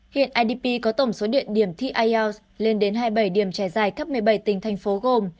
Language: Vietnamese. hiện idp có tổng số điện điểm thi ielts lên đến hai mươi bảy điểm trải dài khắp một mươi bảy tỉnh thành phố gồm